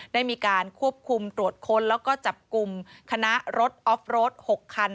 ได้มีการควบคุมตรวจค้นแล้วก็จับกลุ่มคณะรถออฟรถ๖คัน